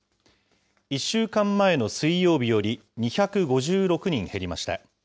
１週間前の水曜日より２５６人減りました。